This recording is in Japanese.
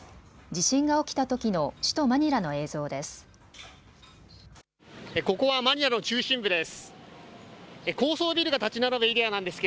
地震が起きたときの首都マニラの映像です。